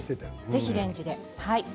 ぜひレンジで。